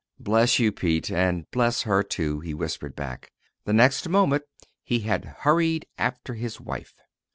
"Bless you, Pete and bless her, too!" he whispered back. The next moment he had hurried after his wife.